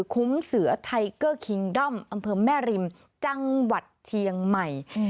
เสือไทเกอร์คิงด้อมอำเภอแม่ริมจังหวัดเชียงใหม่